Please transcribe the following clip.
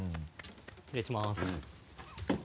失礼します。